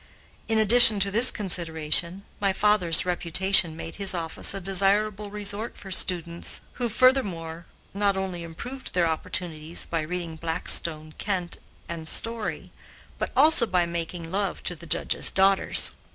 In addition to this consideration, my father's reputation made his office a desirable resort for students, who, furthermore, not only improved their opportunities by reading Blackstone, Kent, and Story, but also by making love to the Judge's daughters.